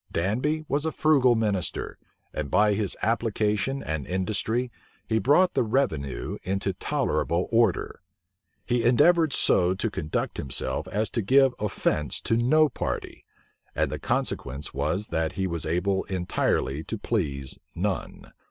Danby was a frugal minister; and by his application and industry he brought the revenue into tolerable order. He endeavored so to conduct himself as to give offence to no party; and the consequence was, that he was able entirely to please none.